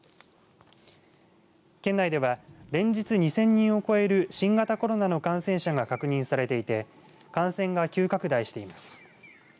県内では連日２０００人を超える新型コロナの感染者が確認されていて感染が急拡大しています。